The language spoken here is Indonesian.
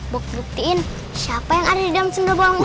buat buktiin siapa yang ada di dalam sundelbolong itu